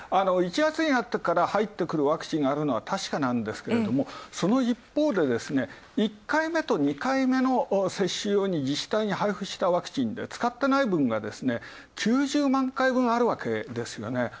１月になってから入ってくるワクチンあるのは確かなんですが、その一方で、１回目と２回目の接種用に自治体に配布したワクチンで使ってない分が、９００万回分あるわけですよね。